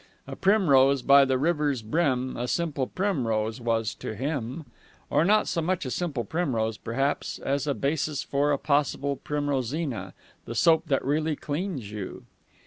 A primrose by the river's brim a simple primrose was to him or not so much a simple primrose, perhaps, as a basis for a possible Primrosina, the Soap that Really Cleans You.